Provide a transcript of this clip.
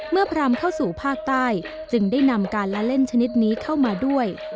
พรามเข้าสู่ภาคใต้จึงได้นำการละเล่นชนิดนี้เข้ามาด้วย